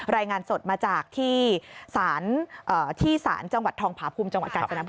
รายงานสดมาจากที่ศาลจังหวัดทองผาภูมิจังหวัดกาญจนบุรี